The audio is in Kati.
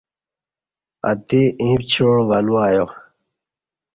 اتی ایں پڅیوع ولو ایہ۔